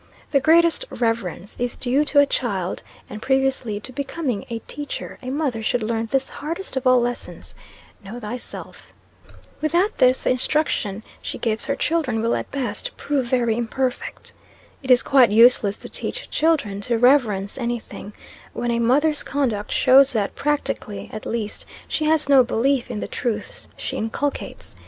The greatest reverence is due to a child; and previously to becoming a teacher, a mother should learn this hardest of all lessons 'Know thyself.' Without this, the instruction she gives her children will at best prove very imperfect. It is quite useless to teach children to reverence any thing, when a mother's conduct shows that, practically at least, she has no belief in the truths she inculcates.